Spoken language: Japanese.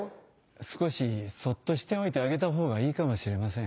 少しそっとしておいてあげた方がいいかもしれません。